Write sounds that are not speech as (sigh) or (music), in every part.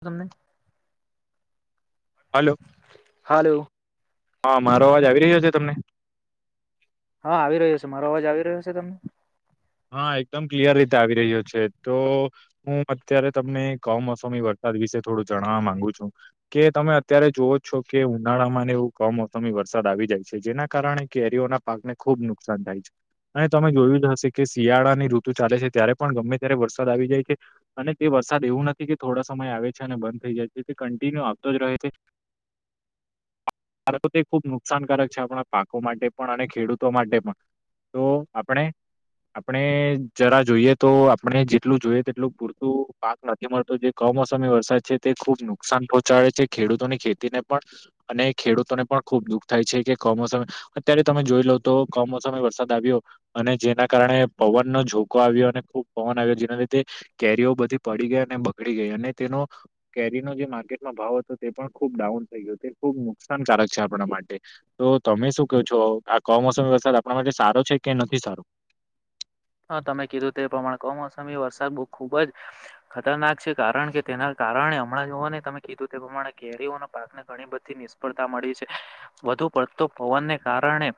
તમને hello hello હા મારો અવાજ આવી રહ્યો છે તમને હા આવી રહ્યો છે મારો અવાજ આવી રહ્યો છે તમને હા એકદમ ક્લિયર રીતે આવી રહ્યો છે તો હું અત્યારે તમને કમોસમી વત વિશે થોડું જણવા માંગુ છું કે તમે અત્યારે જોવો છો કે ઉનાળા ને એવું કમો તમી વરસાદ આવી જાય છે જેના કારણે કેરીઓના પાકને ખુબ નુકસાન થાય છે અને તમે જોયું જ હશે કે શિયાળા ની ઋતુ ચાલે છે ત્યારે પણ ગમે ત્યારે વરસાદ આવી જાય છે અને તે વરસાદ એવું નથી કે થોડા સમય આવે છે અને બંધ થઈ જાય છે તે કન્ટિન્યુ આવતો જ રહે છે ાર તો તે ખુબ નુકસાનકારક છે આપણા પાકો માટે પણ અને ખેડૂતો માટે પણ તો આપણે. આપણે જરા જોઈએ તો આપણે જેટલું જોઈએ તેટલું પૂરતું પાક નથી મળતો જે. કમોસમી વરસાદ છે તે ખૂબ નુકસાન પહોંચાડે છે ખેડૂતોની ખેતીને પણ અને. ખેડૂતોને પણ ખુબ દુઃખ થાય છે કે કમોસમે અત્યારે તમે જોઈ લો તો કમોસમે વરસાદ આવ્યો. અને જેના કારણે પવનનોો જોકો આવ્યો અને ખુબ પવન આવ્યો જેના લીધે કેરીઓ બધી પડી ગયા અને બગડી ગઈ અને તેનો કેરીનો જે માર્કેટમાં ભાવ હતો તે પણ ખૂબ ડાઉન થઈ ગયો તે ખબ. નુકસાનકારક છે આપણા માટે તો તમે શું કહો છો આ કમોસમી વરસાદ આપણા માટે સારો છે કે નથી. (unintelligible) હા તમે કીધું તે પ્રમાણે કમોસમી વરસાદ બહુ ખુબ જ ખતરનાક છે કારણ કે તેના. કારણે હમણાં જો નને તમે કીધું તે પ્રમાણે ઘેરીઓના પાકને ઘણી બધી નિષ્ફળતા મળી છે. વધ પડતો પવનને કારણે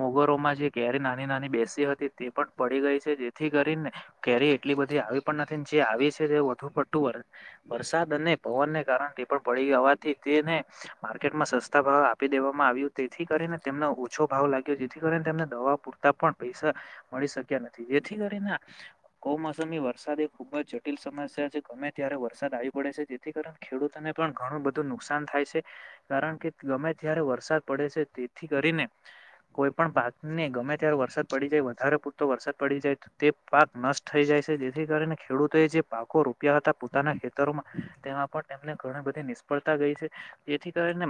મોગરોમાં જે કેરી નાની નાની બેસી હતી તે પણ. પડી ગઈ છે જેથી કરીને કેરી એટલી બધી આવી પણ નથી જે આવી છે તે વધુ પડતું પે. વરસાદ અને પવનને કારણે ટીપ પડી ગવાથી તેને માર્કેટમાં સસ્તા ભાવ આપી દેવામાં. આવ તેથી કરીને તેમનો ઓછો ભાવ લાગ્યો જેથી કરીને તેમને દવા પૂરતા પણ પૈસા મળી શકે. જેથી કરીને કૌમોસમી વરસાદ ખુબ જ જટિલ સમસ્યા છે ગમે ત્યારે વરસાદ. આવી પડે છે જેથી ખેડૂતોને પણ ઘણું બધું નુકસાન થાય છે કારણ કે ગમે ત્યારે વરસાદ. વરસાદ પડે છે તેથી કરીને કોઈ પણ પાકને ગમે ત્યારે વરસાદ પડી જાય વધારે. તો વરસાદ પડી જાય તો તે પાક નષ્ટ થઈ જાય છે જેથી કારણે ખેડૂતોએ જે પાકો રોપ્યા હતા પોતાના. ખેતરોમાં તેમાં પણને ઘણી બધી નિષ્ફળતા ગઈ છે જેથી કરીને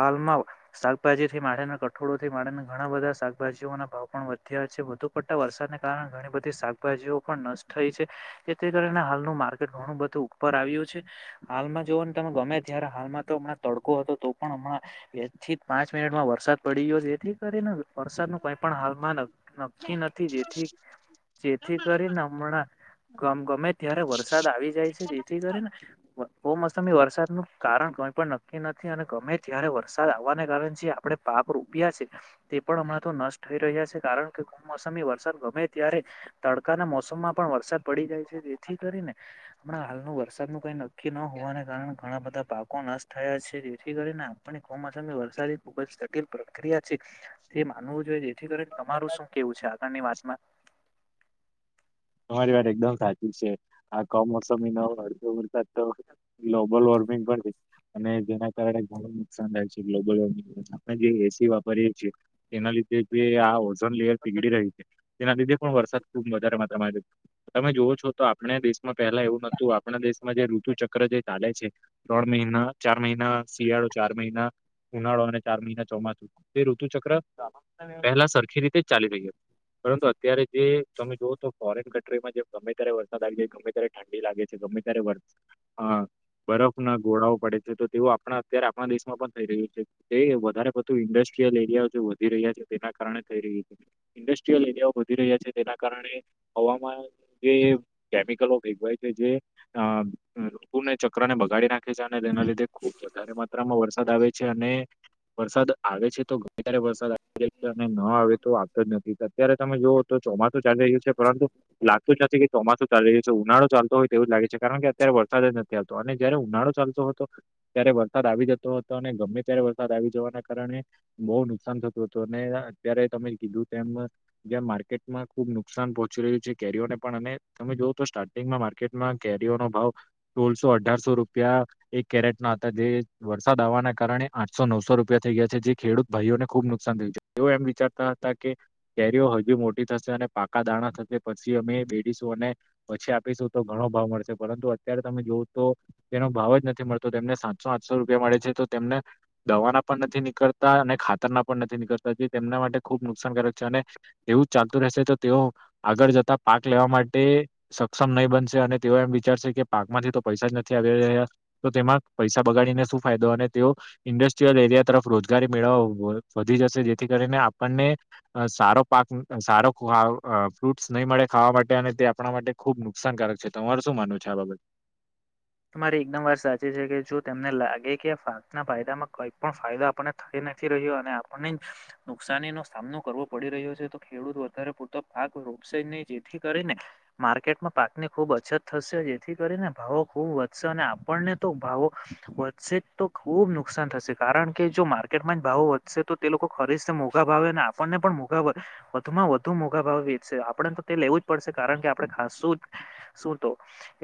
હાલમાં શાકભાજી થી ેને કઠોળો થી ે ને ઘણા બધા શાકભાજીઓના ભાવ પણ વધ્યા છે બધુ. પ વરસાદને કારણે ઘણી બધી શાકભાજીઓ પણ નષ્ટ થઈ છે જેથી કરીને હાલ. નું માર્કેટ ઘણું બધું ઉપર આવ્યું છે. હાલમાં જોઓ ને તમે ગમે જય્યારે હાલમાં તો હમણાં તડકો હતો તો પણ હમણાં. એક થી પાંચ મિનિટમાં વરસાદ પડી ગયો છે જેથી કરીને વરસાદ ન કઈ પણ હાલમાં કી નથી જેથી જેથી કરીને હમણાં. ગમ ગમે ત્યારે વરસાદ આવી જાય છે જેથી કરીને કમોસમી વરસાદનું. કારણ કઈ પણ નક્કી નથી અને ગમે ત્યારે વરસાદ આવવાને કારણે જે આપણે પાપ રૂપ્યા છે. પણ હમણાં તો નષ્ટ થઈ રહ્યા છે કારણ કમોસમી વરસાદ ગમે ત્યારે તડકાના મોસમમાં પણ વરસાદ પડી જાય છે જેથી કરીને. હમણા હાલ નું વરસાદ નું કઈ. કી ન હોવાને કારણે ઘણા બધા પાકો નષ્ટ થયા છે જેથી કરીને આપણે. કમોસમી વરસાદી ખુબ જ જટિલ પ્રક્રિયા છે તે માનવું જોઈએ જેથી કરીને તમારું શું. એવું છે આગળની વાતમાં. તમારી વાત એકદમ સાચી છે આ કમોસમી ન અડધો વરસાદ તો લોબલ. ના કારણેું નુકસાન થાય છે ગ્લોબલ વોર્મિંગ આપણે જે એસી વાપરીએ છીએ. એ લીધે જે આ ઓઝોન લેયર પીગળ રહી છે તેના લીધે પણ વરસાદ ખુબ વધારે. તમારી તમે જોવો છો તો આપણે દેશમાં પહેલા એવું નતું આપણા દેશમાં જે ઋતુ ચક્ર જે ચાલે છે ત્રણ મહિ. િ ચાર મહિના શિયાળો ચાર મહિના ઉનાળો અને ચાર મહિના ચોમાસું તે ઋતુ ચક્ર પહેલા સરખી રીતે ચાલી રહી પરંતુ અત્યારે જે તમે જોવો તો. ફોરેન કન્ટ્રીમાં જે ગમે ત્યારે વરસાદ આવી જાય ગમે ત્યારે ઠંડી લાગે છે ગમે ત્યારે. તરફ ના ગોળઓ પડે છે તો તેવું આપણા અત્યારે આપણા દેશમાં પણ થઈ રહ્યું છે તે વધારે બધું ઇન્ડસ્ટ્રીયલ. એરિયા વધી રહ્યા છે તેના કારણે થઈ રહી છે ઇન્ડસ્ટ્રીયલ એરિયાઓ વધી રહ્યા છે તેના કારણે. હવામાં જે કેમિકલો ભેગવાય છે જે ઋતુને ચક ને બગાડી નાખે છે અને તેના લીધે ખુબ વધારે માત્રામાં વરસાદ આવે છે. અને વરસાદ આવે છે તો. અ્યારે વરસાદ આવી રહ્યો છે અને ન આવે તો આવતો જ નથી અત્યારે તમે જોુઓ તો ચોમાસું ચાલે. પરંતુ લાગતું જ નથી કે ચોમાસું. ચ છે ઉનાળો ચાલતો હોય તે એવું લાગે છે કારણ કે અત્યારે વરસાદ જ નથી આવતો અને જયારે ઉનાળો ચાલતો હતો ત્યારે. વરસાદ આવી જતો હતો અને ગમે ત્યારે વરસાદ આવી જવાના કારણે બહુ નુકસાન થતું હતું અને. ત કીધું તેમ જ્યાં માર્કેટમાં ખુબ નુકસાન પહચ. ી છે કેરીઓને પણ અને તમે જોવઓ તો સ્ટાર્ટિંગમાં માર્કેટમાં કેરીઓનોો ભાવ સોળસો અઢારસો. રૂપ એક કેરેટ ના હતા જે વરસાદ આવવાના કારણે આઠસો નવસો રૂપિયા થઈ ગયા છે જે ખેડૂત. ભાઈઓને ખુબ નુકસાન થયું છે તેઓ એમ વિચારતા હતા કે કેરીઓ હજુ મોટી થશે અને પાકા દાણા થશે. પછી અમે બેડીશું અને પછી આપીશું તો ઘણો ભાવ મળશે પરંતુ અત્યારે તમે જોવ તો. તેનો ભાવ જ નથી મળતો તેમને સાતસો આઠસો રૂપિયા મળે છે તો તેમને દવાના પણ નથી નીકળતા અને. ખાતરના પણ નથી નીકળતા જે તેમના માટે ખુબ નુકસાનકારક છે અને તેવું ચાલતું રહેશે તો તેઓ. આગળ જતા પાક લેવા માટે સક્ષમ નહીં બનશે અને તેઓ એમ વિચારશે કે પાક માંથી તો પૈસા જ નથી. તો તેમાં પૈસા બગાડીને શું ફાયદો અને તેઓ ઇન્ડસ્ટ્રીયલ એરિયા તરફ રોજગારી મેળવવા. વધી જશે જેથી કરીને આપણને સારો પાક સારો ખ. ફ્રૂટ્સ નહીં મળે ખાવા માટે અને તે આપણા માટે ખુબ નુકસાનકારક છે તમાર શું માનવ છે આ બાબત. તમારી એકદમ વાર સાચી છે કે જો તને લાગે કે પાાકના ફાયદામાં કોઈ પણ ફાયદો આપણને થઈ નથી. આપને નુકની નો સામનો કરવો પડી રહ્યો છે તો ખેડૂત વધારે પરતો ભાગ. રોશે નહી જેથી કરીને માર્કેટમાં પાકની ખૂબ અછત થશે જેથી કરીને ભાવો. ખુબ વધશે અને આપણને તો ભાવો વધશે જ તો ખુબ નુકસાન થશે કારણ કે જો માર્કેટ. ટ ભાવો વધશે તો તે લોકો ખરી મોઘા ભાવે અને આપણને પણ મોઘા વધુમાં વધુ મોઘા ભાવે. આપ તો તે લેવું જ પડશે કારણ કે આપણેું શું તો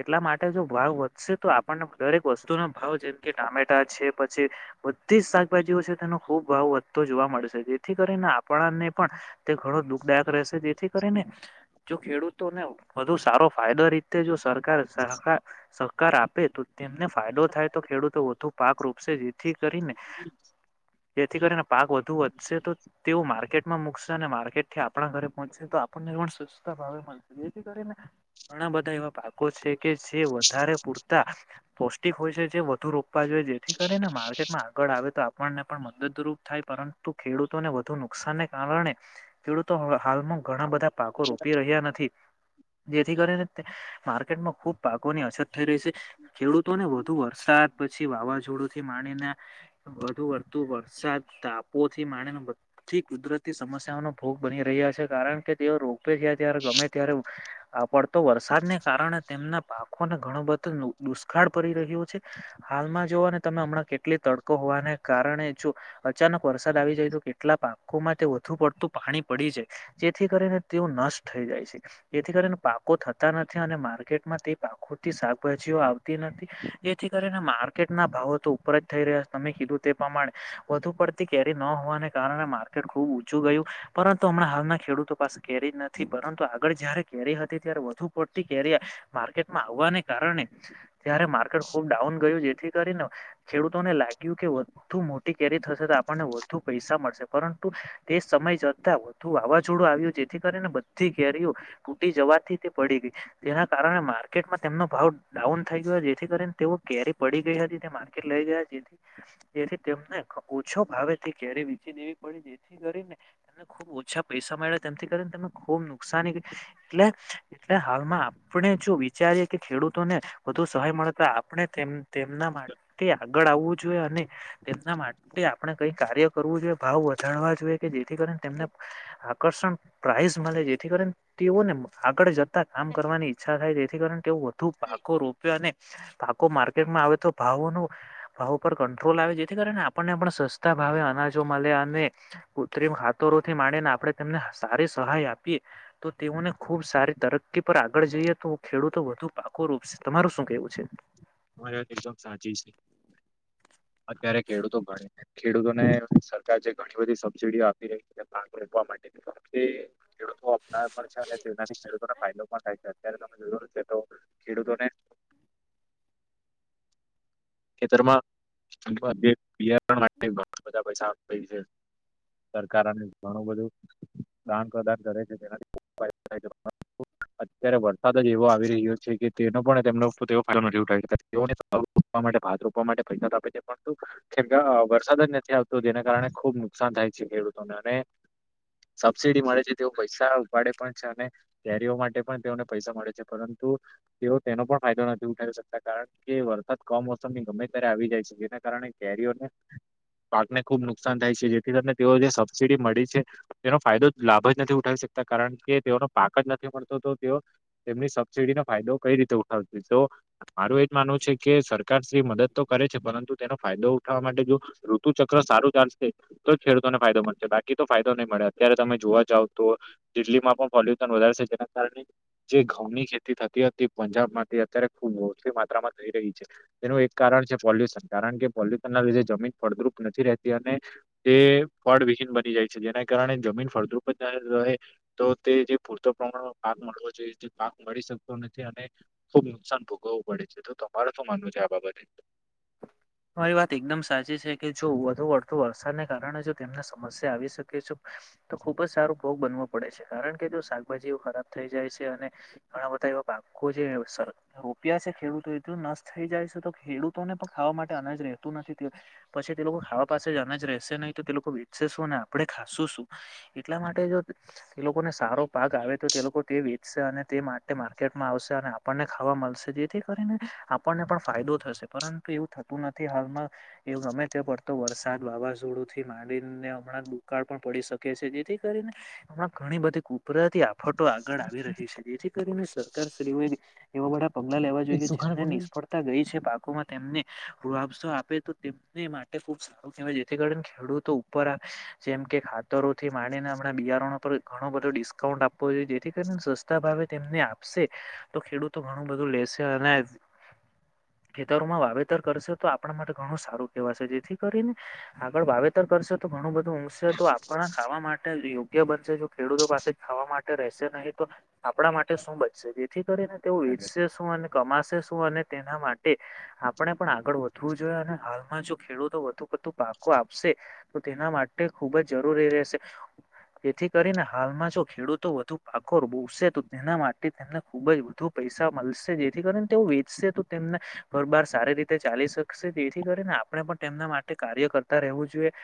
એટલા માટે જો. ભાવ વધશે તો આપણને દરેક વસ્તુ ના ભાવ જેમ કે ટામેટા છે પછી બધી જ શાકભાજી. તેનો ખુબ ભાવ વધતો જોવા મળશે જેથી કરીને આપણને પણ તે ઘણો દુઃખદાયક રહેશે. જેથી કરીને જો ખેડૂતોને વધુ સારો ફાયદો રીતે જો સરકાર.. સહકાર આપે તો તેમને ફાયદો થાય તો ખેડૂતો વધુ પાક રોપશે જેથી કરીને. જેથી કરીને પાક વધુ વધશે તો તેઓ માર્કેટમાં મુૂકશે અને માર્કેટ થી આપણા ઘરે પહોંચશે તો. પતા ભાવે મળશે જેથી કરીને ઘણા બધા એવા પાકો છે કે. જે વધારે પૂરતા પોૌષ્ટિક હોય છે જે વધુ રોકવા જોઈએ જેથી કરીને માર્કેટમાં આગળ આવે આવે તો આપણને પણ મદદરૂપ થાય પરંતુ ખેડૂતોને વધુ નુકસાનને કારણે ખેડૂતો. હાલમાં ઘણા બધા પાકો રોપી રહ્યા નથી જેથી કરીને માર્કેટમાં ખૂબ. પાકોની અછત થઈ રહી છે ખેડૂતોને વધુ વરસાદ પછી વાવાઝોડું. થીણીને વધુ વતું વરસાદ તાપોથી માણીનેી કુદરતી. સમસ્યાનો ભોગ બની રહ્યા છે કારણ કે તેઓ રોગવે જયા ત્યારે ગમે ત્યારે આપડતો વરસાદ. ને કારણે તેમના. પાખોને ઘણો બધો દુષ્કાળ પડી રહ્યો છે હાલમાં જોઓને તમે હમણાં કેટલી તડકો. ને કારણે જો અચાનક વરસાદ આવી જાય તો કેટલા પાકોમાં તે વધુ પડતું પાણી પડી જાય. જેથી કરીને તેઓ નષ્ટ થઈ જાય છે, જેથી કરીને પાકો થતા નથી અને માર્કેટમાં તે ખુતી શાકભાજીઓ આવતી નથી, જેથી કરીને માર્કેટ ના ભાવો તો ઉપર જ થઈ રહ્યા છે તમે તે પ્રમાણે, વધુ પડતી કેરી ન હોવાને કાર માર્કેટ ખુબ ઊંચું ગયું, પરંતુ હમણા ખેડૂતો પાસે કેરી નથી પરંતુ આગળ જયારે કેરી હતી ત્યારે વધુ પડતી કેરી, માર્કેટ આવને કારણે, ત્યારે માર્કેટ ખુબ ડાઉન ગયું જેથી કરીને, ખેડૂતોને લાગ્યું કે મોટી કેરી થશે તો આપણને વધુ પૈસા મળશે પરંતુ, તે સમય જતા વધુ વાવાઝોડું આવ્યું જેથી કરીને બધી કેરીઓ, તૂટી જવાથી તે પડી ગઈ જેના કારણે માટમાં તેમનો ભાવ ડાઉન થઈ ગયો જેથી કરીને તેઓ કેરી પડી ગઈ હતી તે માર્કેટ લઈ ગયા જેથી તેથી તેમને ઓછો ભાવે ક્યારે વેચી દેવી પડીે, જેથી કરીને એને ખુબ ઓછા પૈસા મળ્યાથી કરીનેને ખુબ નુકસાની, એટલે એટલે હાલમાં આપણે જો- વિચારીએ કે ખેડૂતોને, વધુ સહાય મળતા આપણે તેમના માટે આગળ આવવું અને તેમના માટે આપણે કઈ કાર્ય કરવું જોઈએ ભાવ વધારવા જોઈએ. કે જેથી કરીને તેમને, આકર્ષણ પ્રાઈઝ મળે જેથી કરીને તેઓને આગળ જતા કામ કરવાની ઈચ્છા થાય તેથી કારણે તેઓ વધુ પાકો રોપ્યો અને. પાકો માર્કેટમાં આવે તો ભાવો નો ભાવ ઉપ કંટ્રોલ આવે જેથી કરીને આપણને પણ સસ્તા ભાવ અનાજો મળ્યા અને, કૃત્રિમ હાથરોથી ડીને આપણે તેમને સારી સહાય આપીએ. તો તેઓને ખુબ સારી તરકી પર આગળ જઈએ તો. ખેડૂતો વધુ પાકો રૂપ છે તમારું શું કેવું છે. તમારી વાત એકદમ સાચી છે. અત્યારે ખેડૂતો ખેડૂતોને સરકાર જે ઘણી બધી સબસીડીઓ આપી રહી છે પાક રોપવા માટે. એ વખતે ખેડૂતો અપનાવ પણ છે અને તેનાથી ખેડૂતો (unintelligible) ફાયદો પણ થાય છે અત્યારે તમે જરૂર છે તો, ખેડૂતોને ખેતરમાં બિયાર માટે ઘણા બધા પૈસા આપે છે. સરકાર અને ઘણું બધું દાન પ્રદાન કરે છે જેનાથી ખૂબ ફાયદો થાય છે. અત્યારે વરસાદ જ એવો આવી રહ્યો છે કે તેનો પણ તેમનો એવો ફાયદો નથી ઉઠાવિ (unintelligible) માટે ભાત રોપવા માટે ફાયદા આપે છે પરંતું, વરસાદ જ નથી આવતો જેના કારણે ખુબ નુકસાન થાય. પછી ખેડૂતો અને સબસીડી મળે છે તેઓ પૈસા ઉપાડે પણ છે અને, કેરીઓ માટે પણ તેઓને પૈસા મળે છે પરંતુ તો તેઓ તેનો પણ ફાયદો નથી ઉઠાવી શકતા કારણ કે વરસાદ કમ મોસમની ગમે ત્યારે આવી જાય છે જેના કારણે કેરીઓને પાકને ખુબ નુકસાન થાય છે જેથી કરીને તેઓ જે સબસિડી મળી છે, તેનો ફાયદો લાભ જ નથી ઉઠાવી શક કારણ કે તેઓનો પાક જ નથી મળતો તો તેઓ, તેમની સબસિડીનો ફાયદો કઈ રીતે ઉઠાવત, તો મારું એજ માનવું છે કે સરકાર શ્રી મદદ તો કરે છે પરંતુ તેનો ફાયદો ઉઠાવવા માટે જો, ઋતુ ચક્ર સારું ચાલશે તો ખેડૂતોને ફાયદો મળશે બાકી તો ફાયદો નહીં મળે. અત્યારે તમે જોવા જાવ તો, દિલ્હીમાં પણ પોલ્યુ સન વધારે છે જે કારણે, જે ઘઉં ની ખેતી થતી હતી પંજાબમાંથી અત્યારે ખૂબ મોટી માત્રામાં થઈ રહી છે, તેનું એક કારણ છે પોલ્યુશન કારણ કે પોલ્યુશન ના લીધે જમીન ફળદ્રુપ નથી રહેતી અને. તે પડ વિહીન બની જાય છે જેના કારણે જમીન ફળદ્રુપ રહે, તો તે જે પૂર પ્રમાણમાં પાક મળવો જોઈએ પાક મળી શકતો નથી અને, ખુબ નુકસાન ભોગવવું પડે છે તો તમારું શું માનવું છે આ બાબતે. તમારી વાત એકદમ સાચી છે કે જો વધુ વડતુ વરસાદને કારણે જો તેમને સમસ્યા આવી શકે છે. તો ખુબ જ સારો ભોગ બનવો પડે છે કારણ કે જો શાકભાજી ખરાબ થઈ જાય છે અને, ઘણા બધા પાકો જે રોપ્યા છે ખેડૂતો તો નષ્ટ થઈ જાય છે તો ખેડૂતોને પણ ખાવા માટે અનાજ રહેતું નથી, પછી તે લોકો ખાવા પાસે જ અનાજ રહેશે નહી તો તે લોકો વેચશે શું અને આપડણે ખાશું એટલા માટે જો એ લોકોને સારો પાાગ આવે તો તે લોકો તે વેચશે અને તે માટે માર્કેટમાં આવશે અને આપણને ખાવા મળશે જેથી કરીને, આપણને પણ ફાયદો થશે પરંતુ એવું થ નથી હાલમાં, એવ ગમે તે પડતો વરસાદ વાવાઝોડું થી માંડીને હમણાં દુકાળ પણ પડી શકે છે જેથી કરીને, એમાં ઘણી બધી કુદરતી ફટો આગળ આવી રહી છે જેથી કરીને સરકારશ્રીઓ એવા વળા પગલા લેવા જોઈએ કે સારું જેમને નિષ્ફળતા ગઈ છે પાકોમાં તેમને આપસો આપે તો તેમને માટે ખુબ સારું કહેવાય જેથી કરીને ખેડૂતો ઉપર આવે જેમ કે ખાતરોથી માંડીને આપણાં બિયારણો પર ઘણો બધો ડિસ્કાઉન્ટ આપવો જોઈએ, જેથી કરીને સસ્તા ભાવે તેમ ને આપશે તો ખેડૂતો ઘણું બધું લેશે અને (inaudible) ખેતરો માં વાવે કરશે તો આપણા માટે ઘણું સારું કેહેવાશે જેથી કરીને આગળ વાવેતર કરશે તો ઘણું બધું તો ઉગશે તો આપણા ખાવા માટે યોગ્ય બનશે જો ખેડૂતો પાસે ખાવા માટે રહેશે નહી તો આપણા માટે શું બનશે જેથી કરીને તે વેચશે શું? અને કમાશે શું? અને તેના માટે આ આપણે, પણ આગળ વધવું જોઈએ અને હાલમાં જો ખેડૂતો વધુ પડતું પાકો આપશે તો તેના માટે ખુબ જ જરૂરી રહેશે. જેથી કરીને હાલમાં જો ખેડૂતો વધુ પાકો રોપસે તો તેના માટે તેમને ખુબ જ વધુ પૈસા પૈસા મળશે જેથી કરીને તે વેચશે તો તેમને ઘરબાર સારી રીતે ચાલી શકશે જેથી કરીને આપણે પણ તેમના માટે કાર્ય કરતા રહેવું જોઈએ,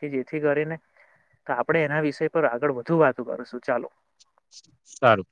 કે જેથી કરી (inaudible) આપણેે એના વિષય પર આગળ વધુ વાતો કરશું ચાલો. સારું.